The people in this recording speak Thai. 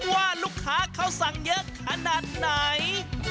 ว่าลูกค้าเขาสั่งเยอะขนาดไหน